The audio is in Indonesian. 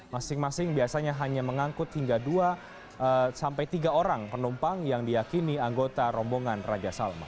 masing masing biasanya hanya mengangkut hingga dua sampai tiga orang penumpang yang diakini anggota rombongan raja salman